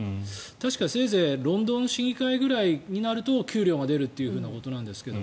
確か、せいぜいロンドン市議会ぐらいになると給料が出るというふうなことですが。